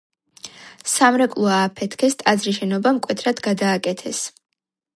სამრეკლო ააფეთქეს, ტაძრის შენობა მკვეთრად გადააკეთეს.